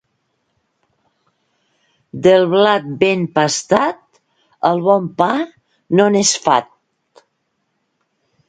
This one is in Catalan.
Del blat ben pastat, el bon pa no n'és fat.